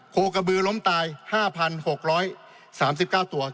โคกระบือล้มตาย๕๖๓๙ตัว